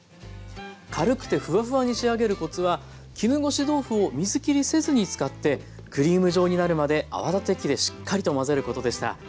軽くてフワフワに仕上げるコツは絹ごし豆腐を水きりせずに使ってクリーム状になるまで泡立て器でしっかりと混ぜることでした。